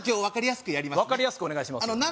分かりやすくお願いします